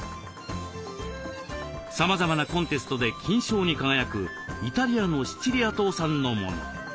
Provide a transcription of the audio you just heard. さまざまなコンテストで金賞に輝くイタリアのシチリア島産のもの。